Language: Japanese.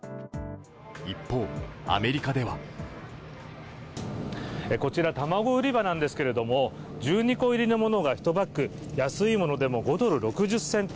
一方、アメリカではこちら、卵売り場なんですけれども、１２個入りのものが１パック、安いものでも５ドル６０セント。